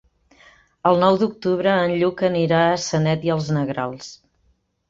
El nou d'octubre en Lluc anirà a Sanet i els Negrals.